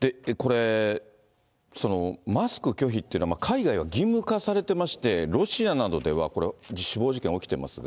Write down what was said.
で、これ、マスク拒否っていうのは、海外は義務化されてまして、ロシアなどではこれ、死亡事件が起きてますが。